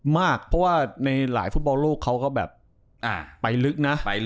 มากเพราะว่าในหลายฟุตบอลโลกเขาก็แบบไปลึกนะ